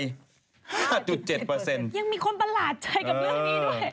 ยังมีคนประหลาดใจกับเรื่องนี้ด้วย